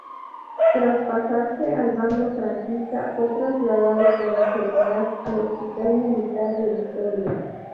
Tras pasarse al bando franquista, fue trasladado por enfermedad al Hospital Militar de Vitoria.